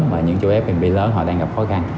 và những chuỗi f b lớn họ đang gặp khó khăn